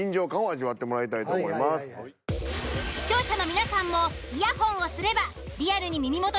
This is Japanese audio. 視聴者の皆さんも。